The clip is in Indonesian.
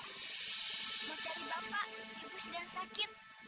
mau cari bapak ibu sedang sakit